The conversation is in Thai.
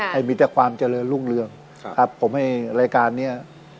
ให้มีแต่ความเจริญรุ่งเรืองครับผมให้รายการเนี้ย